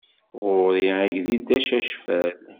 Ɣur-i agdil d acacfal.